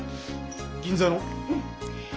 銀座の？